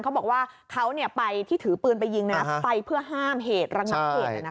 เขาบอกว่าเขาไปที่ถือปืนไปยิงไปเพื่อห้ามเหตุระงับเหตุ